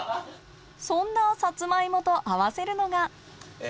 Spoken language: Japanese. そんなサツマイモと合わせるのがえ